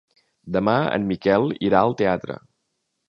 Demà en Miquel irà al teatre.